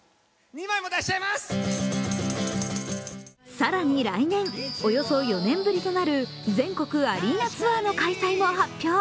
更に来年、およそ４年ぶりとなる全国アリーナツアーの開催も発表。